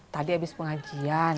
tadi abis pengajian